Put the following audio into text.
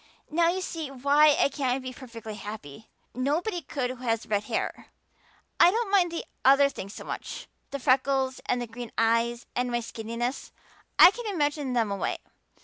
"Now you see why I can't be perfectly happy. Nobody could who has red hair. I don't mind the other things so much the freckles and the green eyes and my skinniness. I can imagine them away.